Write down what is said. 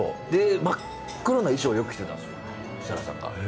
真っ黒な衣装をよく着てたんです、設楽さんが。